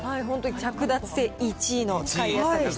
着脱性１位の使いやすさでした。